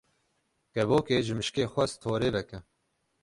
Kevokê ji mişkê xwest torê veke.